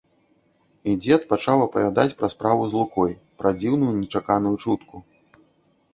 І дзед пачаў апавядаць пра справу з лукой, пра дзіўную, нечаканую чутку.